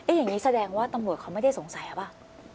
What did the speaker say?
อย่างนี้แสดงว่าตำรวจเขาไม่ได้สงสัยป่ะ